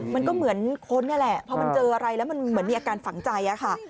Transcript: มันก็เหมือนคนนี่แหละพอมันเจออะไรแล้วมันเหมือนมีอาการฝังใจค่ะ